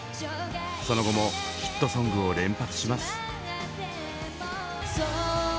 その後もヒットソングを連発します。